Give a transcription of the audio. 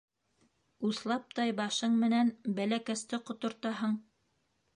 Уҫлаптай башың менән бәләкәсте ҡотортаһың.